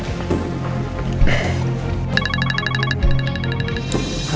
aduh si rafael lagi